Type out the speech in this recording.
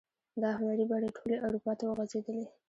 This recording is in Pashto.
دا هنري بڼې ټولې اروپا ته وغزیدلې.